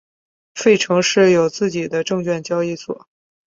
费城市有自己的证券交易所。